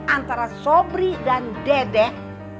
antara sobri dan dedek